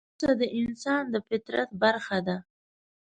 هڅه د انسان د فطرت برخه ده.